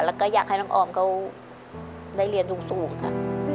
แล้วก็อยากให้น้องออมเขาได้เรียนสูงค่ะ